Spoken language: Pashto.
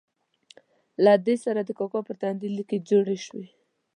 دې سره د کاکا پر تندي لیکې جوړې شوې.